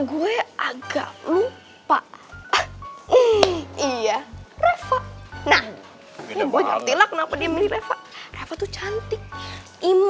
gue agak gunpa iya nah punya banyak lainnya kenapa di mandi reva reva tuh cantik imut